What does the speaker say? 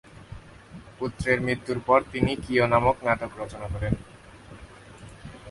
পুত্রের মৃত্যুর পর তিনি কিয় নামক নাটক রচনা করেন।